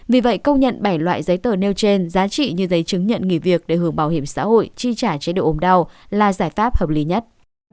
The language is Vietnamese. vì vậy công nhận bảy loại giấy tờ nêu trên giá trị như giấy chứng nhận nghỉ việc để hưởng bảo hiểm xã hội chi trả chế độ ồm đau là giải pháp hợp lý nhất